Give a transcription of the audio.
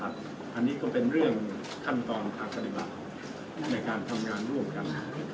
อันนี้ก็เป็นเรื่องขั้นตอนทางปฏิบัติในการทำงานร่วมกัน